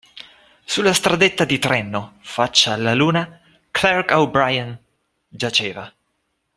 Sulla stradetta di Trenno, faccia alla luna, Clark O' Brian giaceva